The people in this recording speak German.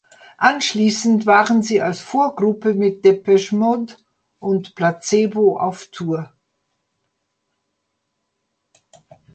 Anschließend waren sie als Vorgruppe mit Depeche Mode und Placebo auf Tour.